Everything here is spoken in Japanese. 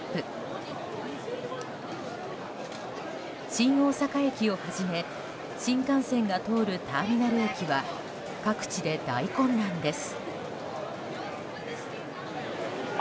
新大阪駅をはじめ新幹線が通るターミナル駅は各地で大混乱です。